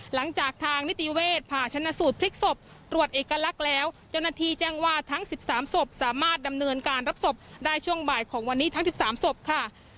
หลังจากทางนิติเวชผ่าชนะสูตรพลิกศพตรวจเอกลักษณ์แล้วเจ้าหน้าที่แจ้งว่าทั้ง๑๓ศพสามารถดำเนินการรับศพได้ช่วงบ่ายของวันนี้ทั้ง๑๓ศพค่ะ